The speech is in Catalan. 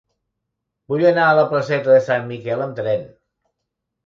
Vull anar a la placeta de Sant Miquel amb tren.